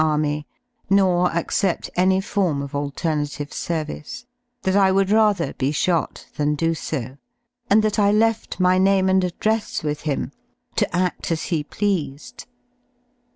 Army nor accept any form of alternative l service, that I would rather be shot than do so, and that I \ left my name and address with him to aft as he pleased.